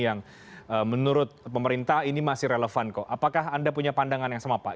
yang menurut pemerintah ini masih relevan kok apakah anda punya pandangan yang sama pak